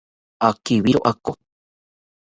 Akibiro ako